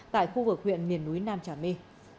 tại khu vực huyện miền núi nam trà my